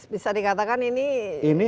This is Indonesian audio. bisa dikatakan ini